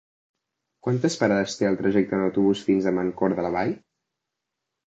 Quantes parades té el trajecte en autobús fins a Mancor de la Vall?